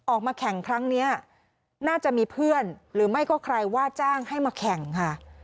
ออกมาแข่งครั้งนี้น่าจะมีเพื่อนหรือไม่ก็ใครว่าจ้างให้มาแข่งค่ะ